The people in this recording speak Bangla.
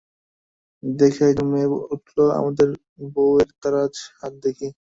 দেখে একজন মেয়ে বলে উঠল, আমাদের বউয়ের দরাজ হাত দেখি!